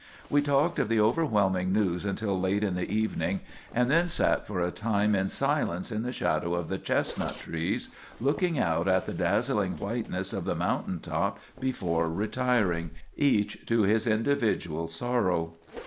We talked of the overwhelming news until late in the evening, and then sat for a time in silence in the shadow of the chestnut trees, looking out at the dazzling whiteness of the mountain top before retiring, each to his individual sorrow."